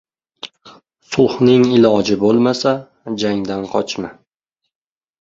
— Sulhning iloji bo‘lmasa, jang¬dan qochma.